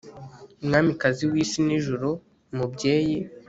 mwamikazi w'isi n'ijuru; mubyeyi